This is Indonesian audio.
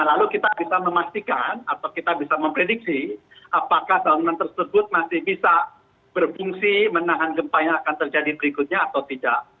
lalu kita bisa memastikan atau kita bisa memprediksi apakah bangunan tersebut masih bisa berfungsi menahan gempa yang akan terjadi berikutnya atau tidak